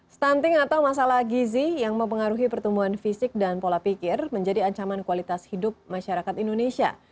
stunting atau masalah gizi yang mempengaruhi pertumbuhan fisik dan pola pikir menjadi ancaman kualitas hidup masyarakat indonesia